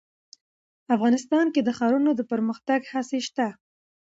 افغانستان کې د ښارونو د پرمختګ هڅې شته.